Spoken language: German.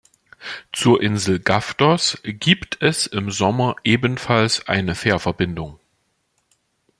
Zur Insel Gavdos gibt es im Sommer ebenfalls eine Fährverbindung.